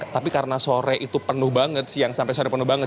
tapi karena sore itu penuh banget siang sampai sore penuh banget